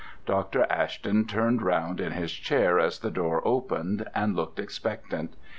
Dr. Ashton turned round in his chair as the door opened, and looked expectant.